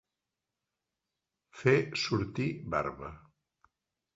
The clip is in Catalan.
Fer sortir barba.